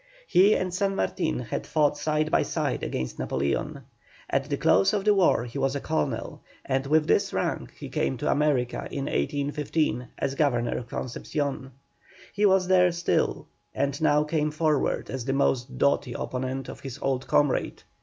He and San Martin had fought side by side against Napoleon. At the close of the war he was a colonel, and with this rank he came to America in 1815 as Governor of Concepcion. He was there still and now came forward as the most doughty opponent of his old comrade.